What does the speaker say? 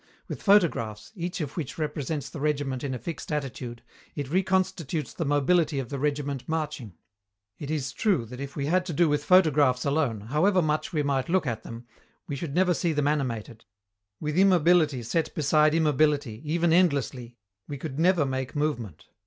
With photographs, each of which represents the regiment in a fixed attitude, it reconstitutes the mobility of the regiment marching. It is true that if we had to do with photographs alone, however much we might look at them, we should never see them animated: with immobility set beside immobility, even endlessly, we could never make movement.